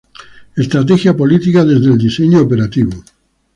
Estrategia Política desde el diseño operativo.